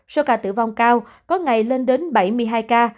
số ca tử vong cao có ngày lên đến bảy mươi hai ca